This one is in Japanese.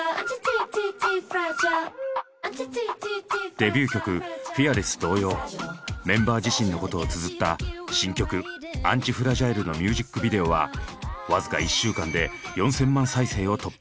デビュー曲「ＦＥＡＲＬＥＳＳ」同様メンバー自身のことをつづった新曲「ＡＮＴＩＦＲＡＧＩＬＥ」のミュージックビデオは僅か１週間で４，０００万再生を突破。